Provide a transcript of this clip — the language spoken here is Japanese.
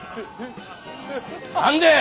何で？